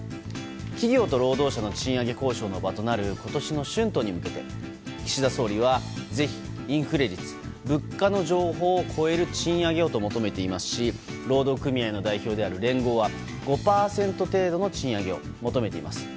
企業と労働者の賃上げ交渉の場となる今年の春闘に向けて岸田総理はぜひ、インフレ率物価の上昇を超える賃上げをと求めていますし労働組合の代表である連合は５％程度の賃上げを求めています。